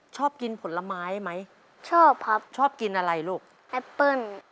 ชอบกินผลไม้ไหมชอบครับชอบกินอะไรลูกแอปเปิ้ล